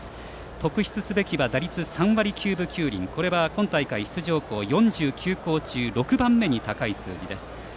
特筆すべきは打率３割９分９厘これは今大会出場校４９校中６番目に高い数字です。